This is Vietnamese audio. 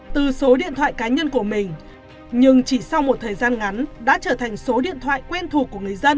từ số điện thoại cá nhân của mình nhưng chỉ sau một thời gian ngắn đã trở thành số điện thoại quen thuộc của người dân